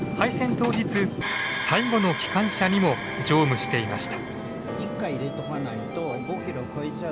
当日最後の機関車にも乗務していました。